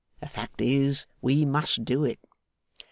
The fact is, we must do it.